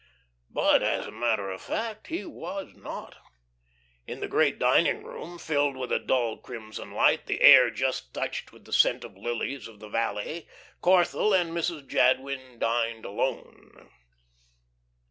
But, as a matter of fact, he was not. In the great dining room, filled with a dull crimson light, the air just touched with the scent of lilies of the valley, Corthell and Mrs. Jadwin dined alone.